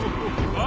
あ！